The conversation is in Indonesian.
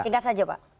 singkat saja pak